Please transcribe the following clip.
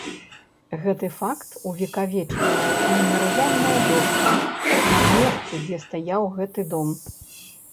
Гэты факт увекавечвае мемарыяльная дошка на месцы, дзе стаяў гэты дом.